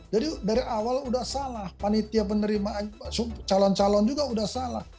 jadi dari awal udah salah panitia penerimaan calon calon juga udah salah